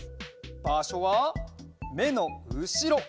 ばしょはめのうしろ